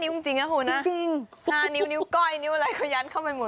๕นิ้วหงขุนาค่ะจะให้เป็นประโยชน์